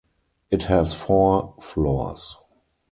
It has four floors.